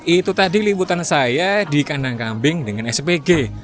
itu tadi liputan saya di kandang kambing dengan spg